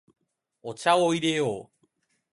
お茶を入れよう。